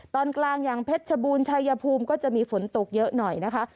ตอนกลางอย่างเพชรชบูรณชายภูมิก็จะมีฝนตกเยอะหน่อยนะคะ